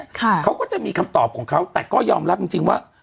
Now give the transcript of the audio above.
เขาก็จะมีคำตอบของเขาแต่ก็ยอมรับจริงจริงว่า